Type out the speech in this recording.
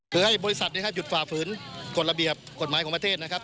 คือให้บริษัทนะครับหยุดฝ่าฝืนกฎระเบียบกฎหมายของประเทศนะครับ